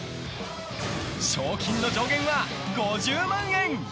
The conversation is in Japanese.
賞金の上限は５０万円。